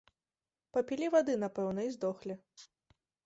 Папілі вады, напэўна, і здохлі.